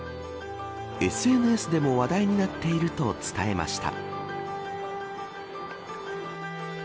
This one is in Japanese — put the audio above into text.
ＳＮＳでも話題になっていると伝えました。